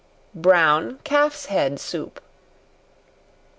Brown Calf's Head Soup.